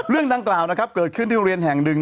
เรื่องดังกล่าวนะครับเกิดขึ้นที่โรงเรียนแห่งหนึ่ง